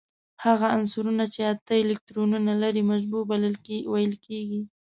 هغه عنصرونه چې اته الکترونونه لري مشبوع ویل کیږي.